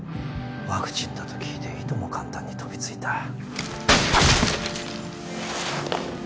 ワクチンだと聞いていとも簡単に飛び付いた。